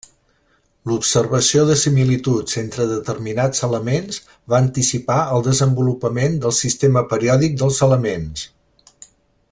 L'observació de similituds entre determinats elements va anticipar el desenvolupament del sistema periòdic dels elements.